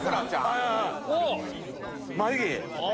眉毛！